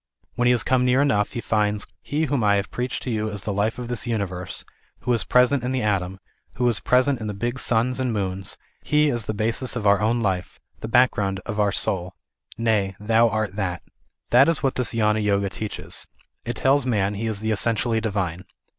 When he has come near enough he finds " He whom THE IDEAL OF A UNIVERSAL RELIGION. 325 I have preached to you as the life of this universe, who is present in the atom, who is present in the big suns and m┬Ż>ons, He is the basis of our own life, the background of our soul. Nay, thou art that." That is what this Gnana Yoga teaches. It tells man he is the essentially divine.